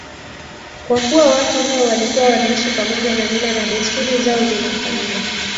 Kwa kuwa watu hao walikuwa wanaishi pamoja na mila na desturi zao zinafanana